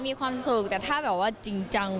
มีความสุขแต่ถ้าแบบว่าจริงจัง